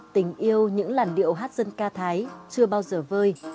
tình yêu những làn điệu hát dân ca thái chưa bao giờ vơi